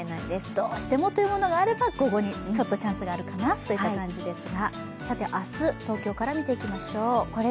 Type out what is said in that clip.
どうしてもというものがあれば、午後に、ちょっとチャンスがあるかなといった感じですね。